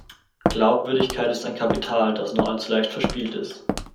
Glaubwürdigkeit ist ein Kapital, das nur allzu leicht verspielt ist.